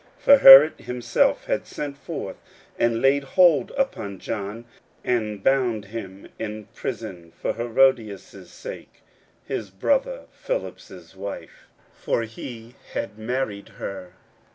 41:006:017 For Herod himself had sent forth and laid hold upon John, and bound him in prison for Herodias' sake, his brother Philip's wife: for he had married her.